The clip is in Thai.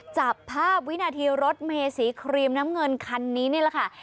จับภาพวินาทีรถเมสีครีมน้ำเงินคันนี้นี่แหละค่ะ